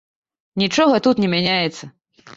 Нічога тут не мяняецца.